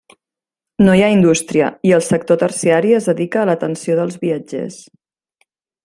No hi ha indústria i el sector terciari es dedica a l'atenció dels viatgers.